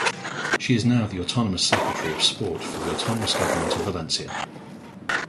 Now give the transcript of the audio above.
She is now the autonomous secretary of sport for the Autonomous government of Valencia.